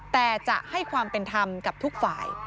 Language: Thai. แต่จะให้ความเป็นธรรมกับทุกฝ่าย